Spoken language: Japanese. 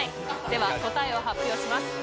では答えを発表します。